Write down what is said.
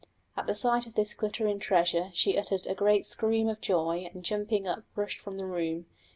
At the sight of this glittering treasure she uttered a great scream of joy and jumping up rushed from the room.